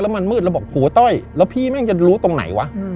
มันมืดแล้วบอกโหต้อยแล้วพี่แม่งจะรู้ตรงไหนวะ